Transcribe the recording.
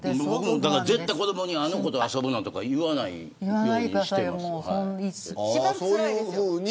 僕も、だから絶対に子どもにあの子と遊ぶなとか言わないようにしてます。